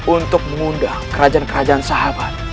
untuk mengundang kerajaan kerajaan sahabat